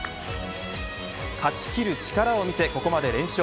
勝ち切る力を見せここまで連勝。